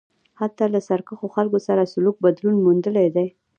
هلته له سرکښو خلکو سره سلوک بدلون موندلی دی.